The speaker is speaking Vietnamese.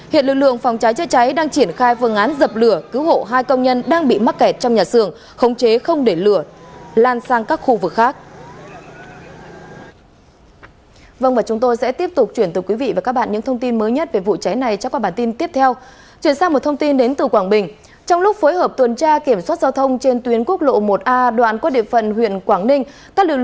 hiện lực lượng phòng cháy chữa cháy đang triển khai vương án dập lửa cứu hộ hai công nhân đang bị mắc kẹt trong nhà xưởng khống chế không để lửa lan sang các khu vực khác